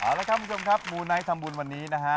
เอาละครับคุณผู้ชมครับมูไนท์ทำบุญวันนี้นะฮะ